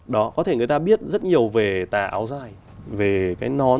đó có thể người ta biết rất nhiều về tà áo dài về cái nón